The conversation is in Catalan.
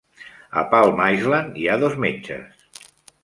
A Palm Island hi ha dos metges.